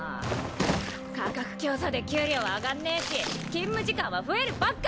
価格競争で給料は上がんねぇし勤務時間は増えるばっか。